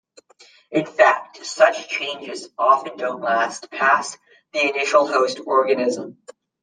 In fact, such changes often don't last past the initial host organism.